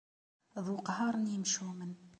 D weqhar n yemcumen.